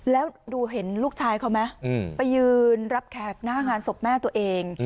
แล้วดูเห็นลูกชายเขาไหมไปยืนรับแขกหน้างานศพแม่ตัวเอง